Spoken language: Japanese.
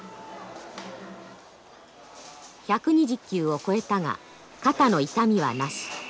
１２０球を超えたが肩の痛みはなし。